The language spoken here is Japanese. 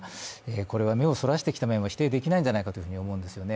これは目をそらしてきた面も否定できないと思うんですよね。